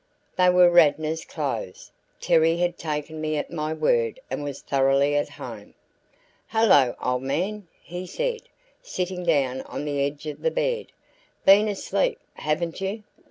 They were Radnor's clothes Terry had taken me at my word and was thoroughly at home. "Hello, old man!" he said, sitting down on the edge of the bed. "Been asleep, haven't you?